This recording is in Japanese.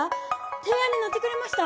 提案に乗ってくれました！